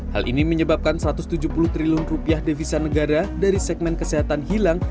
hal ini menyebabkan satu ratus tujuh puluh triliun rupiah devisa negara dari segmen kesehatan hilang